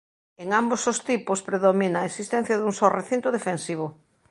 En ambos os tipos predomina a existencia dun só recinto defensivo.